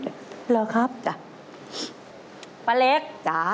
เหรอครับจ้ะป้าเล็กจ้ะ